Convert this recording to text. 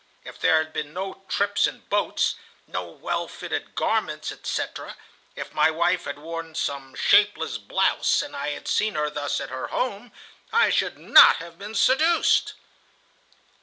If there had been no trips in boats, no well fitted garments, etc., if my wife had worn some shapeless blouse, and I had seen her thus at her home, I should not have been seduced."